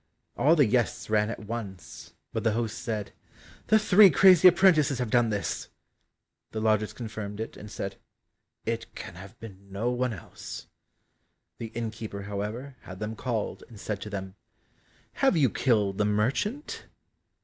All the guests ran at once but the host said, "The three crazy apprentices have done this;" the lodgers confirmed it, and said, "It can have been no one else." The innkeeper, however, had them called, and said to them, "Have you killed the merchant?"